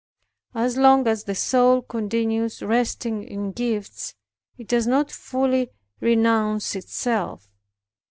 As long as the soul continues resting in gifts, it does not fully renounce itself.